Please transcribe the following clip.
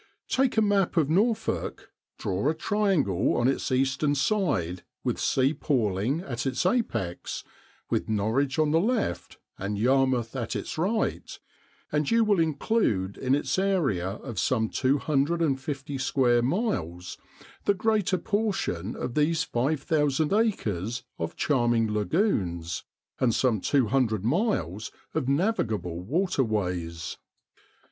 Take a map of Norfolk, draw a triangle on its eastern side with Sea Palling at its apex, with Norwich on the left and Yarmouth at its right, and you will include in its area of some 250 square B 10 JANUARY IN BROADLAND. miles the greater portion of these 5,000 acres of charming lagoons, and some 200 miles of navigable waterways.